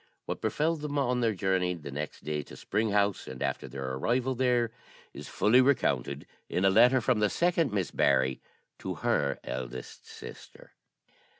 What befell them on their journey the next day to Spring House, and after their arrival there, is fully recounted in a letter from the second Miss Barry to her eldest sister.